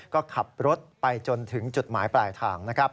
ก็ขับรถไปจนถึงจุดหมายปลายทางนะครับ